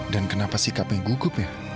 dan kenapa sikapnya gugup ya